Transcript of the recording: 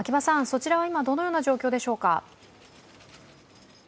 そちらは今、どのような状況でしょうか？